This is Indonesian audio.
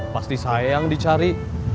pasti saya yang dicari